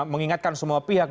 mengingatkan semua pihak